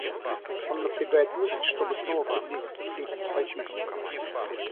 Он напрягает мысль, чтобы снова приблизиться к людям, сойтись с ними.